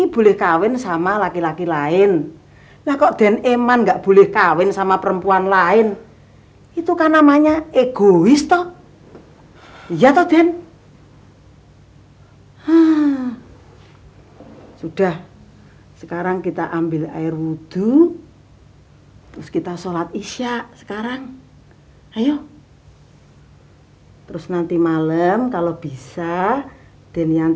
jangan jangan sama si mbok juga lupa ya